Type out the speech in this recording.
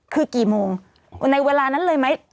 คือกี่โมงในเวลานั้นเลยไหม